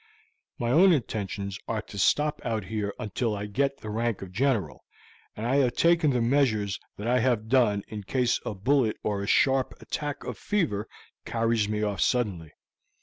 My own intentions are to stop out here until I get the rank of general, and I have taken the measures that I have done in case a bullet or a sharp attack of fever carries me off suddenly.